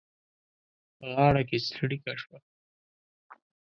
په غاړه کې څړيکه شوه.